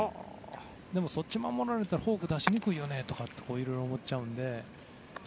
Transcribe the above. そっちを守られたらフォーク出しにくいよねとかいろいろ思っちゃうので。